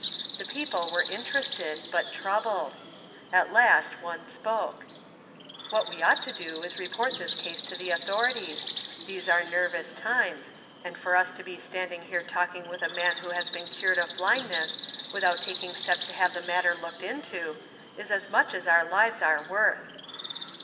The people were interested, but troubled. At last one spoke; " What we ought to do is to report this case to the authorities. These are nervous times, and for us to be standing here talking with a man who has been cured of blindness, without taking steps to have the matter looked into, is as much as our lives are worth."